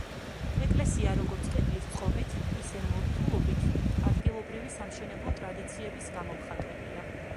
ეკლესია, როგორც კედლის წყობით, ისე მორთულობით, ადგილობრივი სამშენებლო ტრადიციების გამომხატველია.